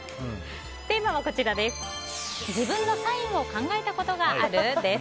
テーマは自分のサインを考えたことがある？です。